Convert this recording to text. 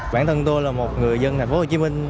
bản thân tôi là một người dân thành phố hồ chí minh